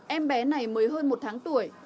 em bé này mới hơn một tháng tuổi